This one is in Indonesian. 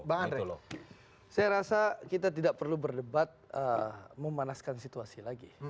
bang andre saya rasa kita tidak perlu berdebat memanaskan situasi lagi